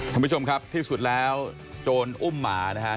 คุณผู้ชมครับที่สุดแล้วโจรอุ้มหมานะฮะ